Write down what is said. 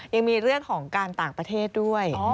ยังมีเรื่องของการต่างประเทศด้วย